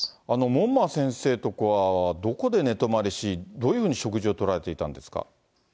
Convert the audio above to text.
門馬先生のところは、どこで寝泊まりし、どういうふうに食事をとられていたんですか？